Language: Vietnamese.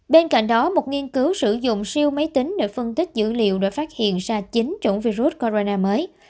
bên cạnh đó một nghiên cứu sử dụng siêu máy tính để phân tích dữ liệu để phát hiện ra chín chủng virus corona mới